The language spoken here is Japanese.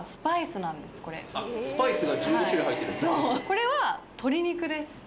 これは鶏肉です。